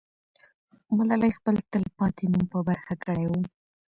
ملالۍ خپل تل پاتې نوم په برخه کړی وو.